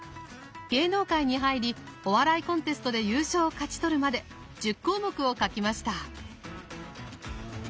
芸能界に入りお笑いコンテストで優勝を勝ち取るまで１０項目を書きました。